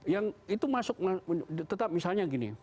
yang itu masuk tetap misalnya gini